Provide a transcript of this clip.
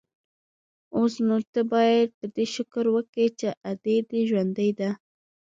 اوس نو ته بايد په دې شکر وکې چې ادې دې ژوندۍ ده.